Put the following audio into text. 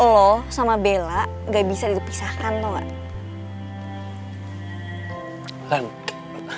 lo sama bella gak bisa dipisahkan tau gak